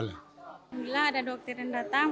bila ada dokter yang datang